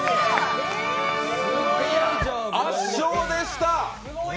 圧勝でした！